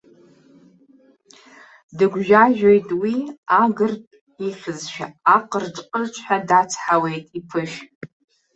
Дыгәжәажәоит уи, агыртә ихьызшәа, аҟырҿ-ҟырҿҳәа дацҳауеит иԥышә.